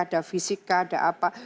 ada fisika ada apa